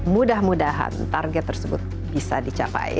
mudah mudahan target tersebut bisa dicapai